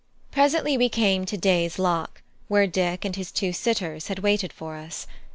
Presently we came to Day's Lock, where Dick and his two sitters had waited for us.